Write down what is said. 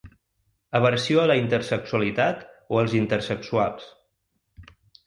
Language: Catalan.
Aversió a la intersexualitat o als intersexuals.